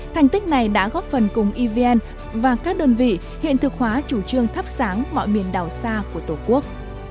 thành tích này đã góp phần cùng evn và các đơn vị hiện thực hóa chủ trương thắp sáng mọi miền đảo xa của tổ quốc